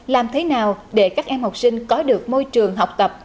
làm thế nào để các em học sinh có được môi trường học tập